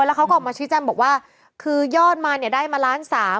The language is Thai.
แล้วเขาก็ออกมาชี้แจ้งบอกว่าคือยอดมาเนี่ยได้มาล้านสาม